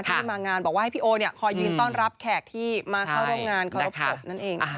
ที่มางานบอกว่าให้พี่โอเนี่ยคอยยืนต้อนรับแขกที่มาเข้าร่วมงานเคารพศพนั่นเองนะคะ